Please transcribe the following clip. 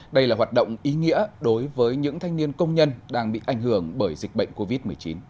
đây là hoạt động ý nghĩa đối với những thanh niên công nhân đang bị ảnh hưởng bởi dịch bệnh covid một mươi chín